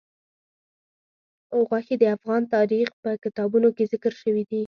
غوښې د افغان تاریخ په کتابونو کې ذکر شوي دي.